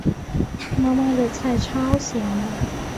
妈妈的菜超咸的